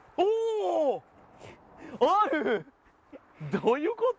どういうこと？